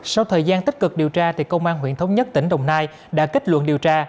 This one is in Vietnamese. sau thời gian tích cực điều tra công an huyện thống nhất tỉnh đồng nai đã kết luận điều tra